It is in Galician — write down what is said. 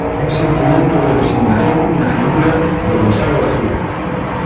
E sentimento de resignación na figura de Gonzalo García.